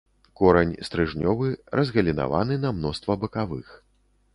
Корань стрыжнёвы, разгалінаваны на мноства бакавых.